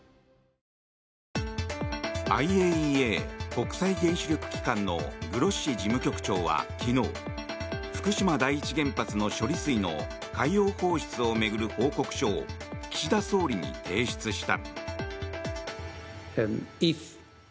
ＩＡＥＡ・国際原子力機関のグロッシ事務局長は昨日福島第一原発の処理水の海洋放出を巡る報告書を岸田総理に提出した。